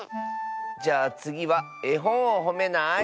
じゃあつぎはえほんをほめない？